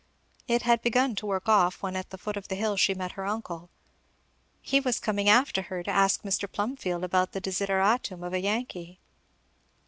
It had begun to work off, when at the foot of the hill she met her uncle. He was coming after her to ask Mr. Plumfield about the desideratum of a Yankee.